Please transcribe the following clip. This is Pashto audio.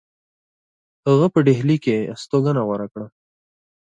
هغه په ډهلی کې هستوګنه غوره کړه.